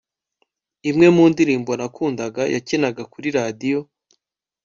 imwe mu ndirimbo nakundaga yakinaga kuri radiyo